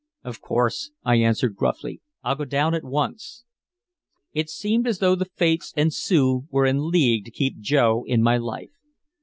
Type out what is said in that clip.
"Of course," I assented gruffly. "I'll go down at once." It seemed as though the Fates and Sue were in league to keep Joe in my life.